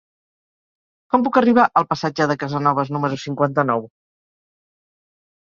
Com puc arribar al passatge de Casanovas número cinquanta-nou?